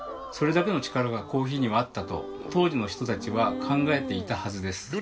それだけの力がコーヒーにはあったと当時の人たちは考えていたはずです。